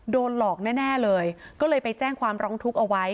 โดนหลอกแน่เลยก็เลยไปแจ้งความร้องทุกข์เอาไว้